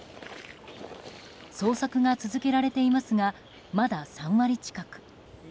捜索が続けられていますがまだ３割近く。